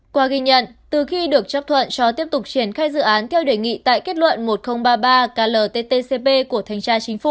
qua ghi nhận từ khi được chấp thuận cho tiếp tục triển khai dự án theo đề nghị tại kết luận một nghìn ba mươi ba klttcp của thanh tra chính phủ